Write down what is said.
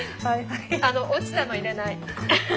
あの落ちたの入れない。